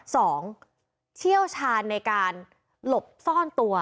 เชี่ยวชาญในการหลบซ่อนตัว